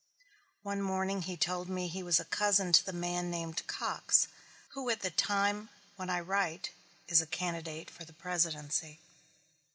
One morning he told me he was a cousin to the man named Cox who at the time when I write is a candidate for the presidency.